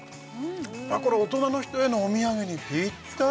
これ大人の人へのお土産にぴったり！